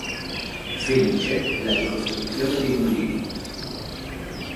Felice e la ricostruzione dei mulini.